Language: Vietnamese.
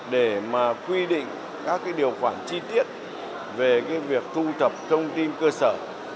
để mà quy định các điều khoản chi tiết về việc thu thập thông tin cơ sở